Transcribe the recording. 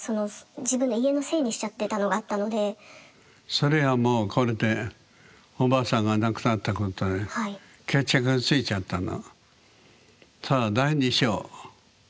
それはもうこれでおばあさんが亡くなったことで決着がついちゃったの。